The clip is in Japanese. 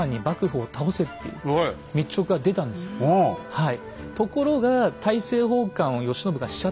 はい。